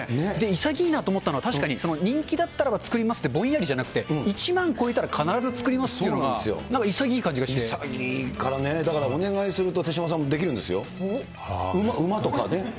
いさぎいいなと思ったのは、確かに、人気だったらば作りますってぼんやりじゃなくて、１万超えたら必ず作りますっていうのが、いさぎいいからね、だからお願いすると手嶋さんもできるんですよ。